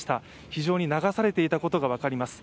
非常に流されていたことが分かります。